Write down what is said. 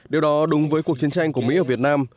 điều đó đúng với cuộc chiến tranh của mỹ ở việt nam